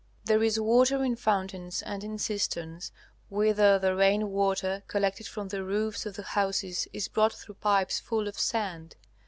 There is water in fountains and in cisterns, whither the rain water collected from the roofs of the houses is brought through pipes full of sand.